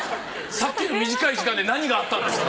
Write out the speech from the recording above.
さっきの短い時間で何があったんですか？